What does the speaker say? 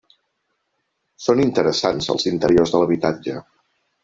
Són interessants els interiors de l'habitatge.